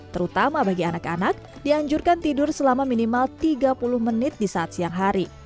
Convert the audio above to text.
terutama bagi anak anak dianjurkan tidur selama minimal tiga puluh menit di saat siang hari